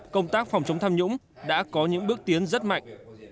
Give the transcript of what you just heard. công tác phòng chống tham nhũng đã có những bước tiến rất mạnh